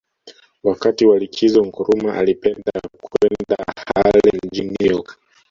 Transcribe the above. Wakati wa likizo Nkrumah alipenda kwenda Harlem mjini New York